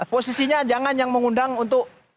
posisinya jangan yang mengundang untuk